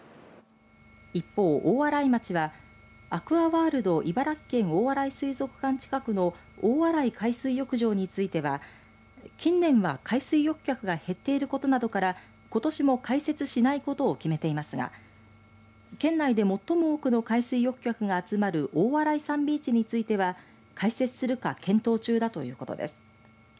一方、大洗町はアクアワールド茨城県大洗水族館近くの大洗海水浴場については近年は海水浴客が減っていることなどからことしも開設しないことを決めていますが県内で最も多くの海水浴客が集まる大洗サンビーチについては開設するか検討中だということです。